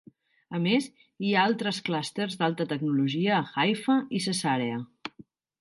A més, hi ha altres clústers d'alta tecnologia a Haifa i Cesarea.